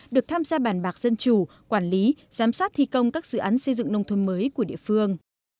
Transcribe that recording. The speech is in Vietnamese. được tham gia bàn bạc dân chủ quản lý giám sát thi công các dự án xây dựng nông thôn mới của địa phương